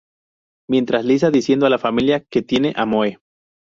Mientras Lisa diciendo a la familia que tienen a Moe.